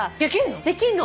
できんの？